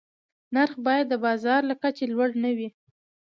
نرخ باید د بازار له کچې لوړ نه وي.